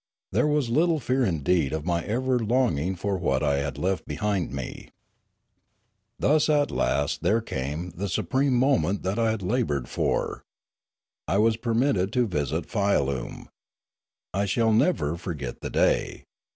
There was little fear indeed of my ever longing for what I had left behind me. Thus at last there came the supreme moment that I had laboured for. I was to be permitted to visit Pialume. I shall never forget the day.